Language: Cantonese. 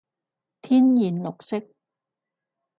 天然綠色